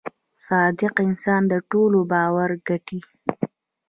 • صادق انسان د ټولو باور ګټي.